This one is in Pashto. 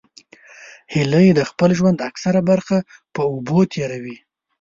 هیلۍ د خپل ژوند اکثره برخه په اوبو تېروي